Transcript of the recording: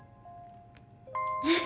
えっ。